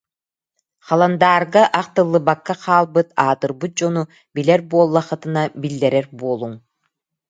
Халандаарга ахтыллыбакка хаалбыт аатырбыт дьону билэр буоллаххытына биллэрэр буолуҥ.